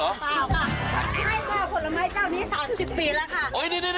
เปล่าคะใฝ่ผลไม้เจ้านี้๓๐ปีแล้วค่ะ